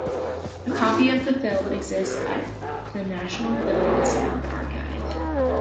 A copy of the film exists at the National Film and Sound Archive.